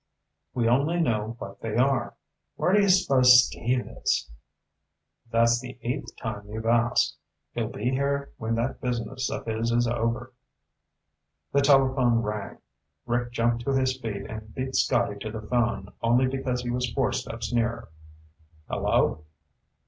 We only know what they are. Where do you suppose Steve is?" "That's the eighth time you've asked. He'll be here when that business of his is over." The telephone rang. Rick jumped to his feet and beat Scotty to the phone only because he was four steps nearer. "Hello?"